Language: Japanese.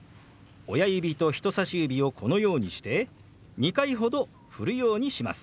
親指と人さし指をこのようにして２回ほどふるようにします。